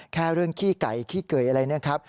แค่เรื่องขี้ไก่ขี้เกยอะไรนะครับ